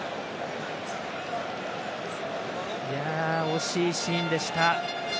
惜しいシーンでした。